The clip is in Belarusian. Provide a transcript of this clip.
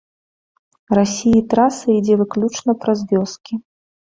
Расіі траса ідзе выключна праз вёскі.